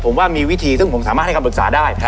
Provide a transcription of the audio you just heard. ผมว่ามีวิธีซึ่งผมสามารถให้คำปรึกษาได้